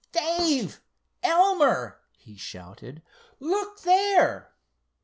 "Dave, Elmer," he shouted—"look there!"